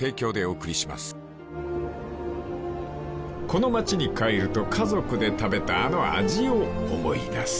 ［この町に帰ると家族で食べたあの味を思い出す］